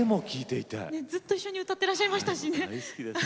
ずっと一緒に歌っていらっしゃいましたしね。